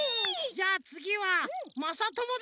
じゃあつぎはまさともだね。